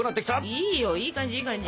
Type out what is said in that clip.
いいよいい感じいい感じ！